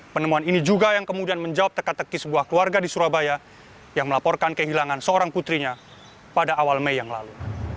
penemuan ini juga yang kemudian menjawab teka teki sebuah keluarga di surabaya yang melaporkan kehilangan seorang putrinya pada awal mei yang lalu